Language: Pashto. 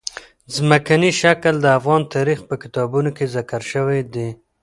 ځمکنی شکل د افغان تاریخ په کتابونو کې ذکر شوي دي.